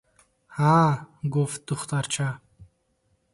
– Ҳа, – гуфт духтарча.